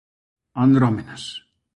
¿Andrómenas?